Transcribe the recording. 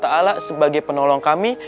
cukuplah allah swt sebagai penolong kami